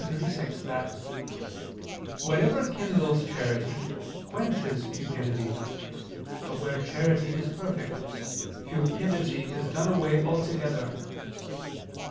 36) that "whatever kindles charity quenches cupidity, but where charity is perfect, cupidity is done away altogether."